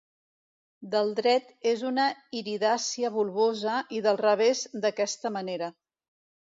Del dret és una iridàcia bulbosa i del revés, d'aquesta manera.